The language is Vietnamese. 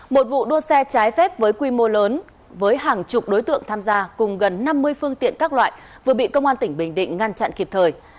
một vụ đua xe trái phép với quy mô lớn với hàng chục đối tượng tham gia cùng gần năm mươi phương tiện các loại vừa bị công an tỉnh bình định ngăn chặn kịp thời